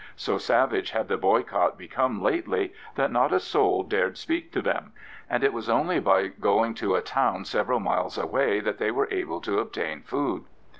So savage had the boycott become lately that not a soul dared speak to them, and it was only by going to a town several miles away that they were able to obtain food.